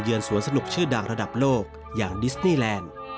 สวนสนุกชื่อดังระดับโลกอย่างดิสตี้แลนด์